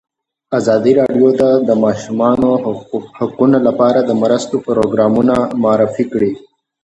ازادي راډیو د د ماشومانو حقونه لپاره د مرستو پروګرامونه معرفي کړي.